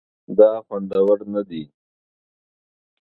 دا خوندور نه دي